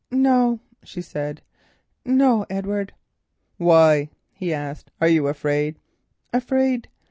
"No," she said, "no, Edward." "Why?" he asked. "Are you afraid?" "Afraid!"